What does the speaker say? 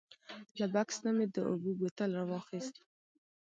له بکس نه مې د اوبو بوتل راواخیست.